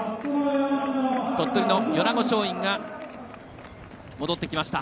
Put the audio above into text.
鳥取の米子松蔭が戻ってきました。